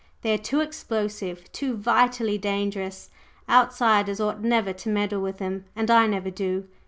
They are too explosive, too vitally dangerous; outsiders ought never to meddle with them. And I never do.